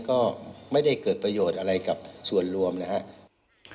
ก็ไม่ได้เกิดประโยชน์อะไรกับส่วนรวมนะครับ